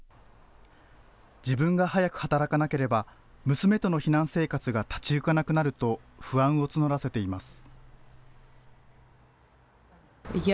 自分が早く働かなければ、娘との避難生活が立ち行かなくなると、不安を募らせています。